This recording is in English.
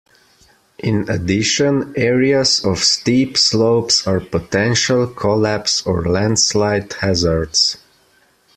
In addition, areas of steep slopes are potential collapse or landslide hazards.